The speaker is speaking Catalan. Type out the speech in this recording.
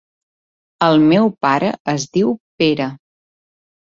El meu pare es diu Pere.